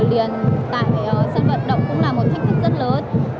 đứng nhiều giờ liền tại sân vận động cũng là một thách thức rất lớn